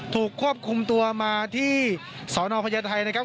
ถูกควบคุมตัวมาที่สนพญาไทยนะครับ